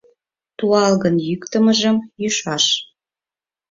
Туалгын, йӱктымыжым йӱшаш.